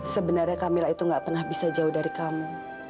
sebenarnya kamila itu tidak pernah bisa jauh dari kamu